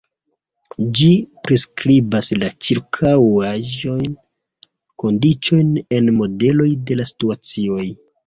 Ĝi priskribas la ĉirkaŭajn kondiĉojn en modeloj de la situacioj.